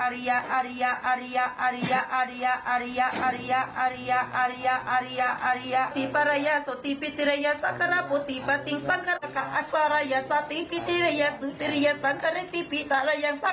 แล้วเขาก็จะสวด